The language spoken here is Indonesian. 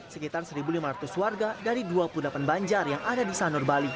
sekitar satu lima ratus warga dari dua puluh delapan banjar yang ada di sanur bali